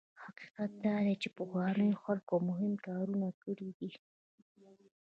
حقیقت دا دی چې پخوانیو خلکو مهم کارونه کړي دي.